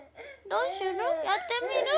どうする？